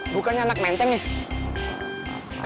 bukannya anak menteng nih